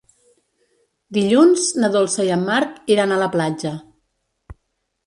Dilluns na Dolça i en Marc iran a la platja.